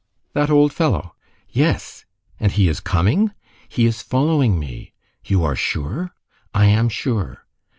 "That old fellow?" "Yes." "And he is coming?" "He is following me." "You are sure?" "I am sure."